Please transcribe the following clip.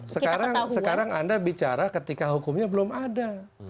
sekarang anda bicara ketika hukumnya belum ada